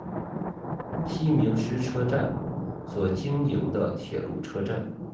西明石车站所经营的铁路车站。